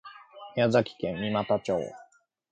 宮崎県三股町